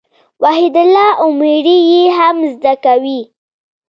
وحيدالله اميري ئې هم زده کوي.